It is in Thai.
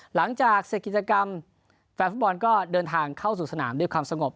หลังจากเสร็จกิจกรรมแฟนฟุตบอลก็เดินทางเข้าสู่สนามด้วยความสงบ